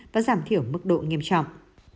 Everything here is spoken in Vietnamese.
và giảm thiểu mức độ nghiêm trọng